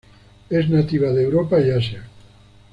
Es nativa de Europa y Asia.